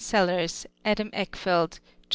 Sellers, Adam Eckfeldt, Jos.